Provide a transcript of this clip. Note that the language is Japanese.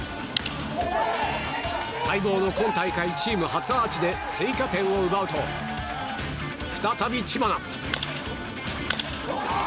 待望の今大会チーム初アーチで追加点を奪うと再び知花！